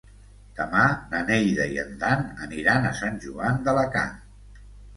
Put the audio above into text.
Demà na Neida i en Dan aniran a Sant Joan d'Alacant.